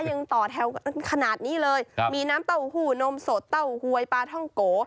ยังต่อแถวกันขนาดนี้เลยครับมีน้ำเต้าหู้นมสดเต้าหวยปลาท่องโก